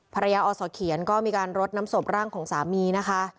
อสเขียนก็มีการรดน้ำศพร่างของสามีนะคะ